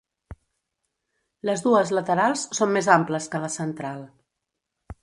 Les dues laterals són més amples que la central.